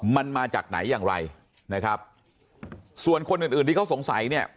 มันมาจากไหนอย่างไรนะครับส่วนคนอื่นอื่นที่เขาสงสัยเนี่ย